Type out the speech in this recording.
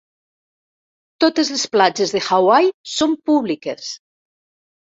Totes les platges de Hawaii són públiques.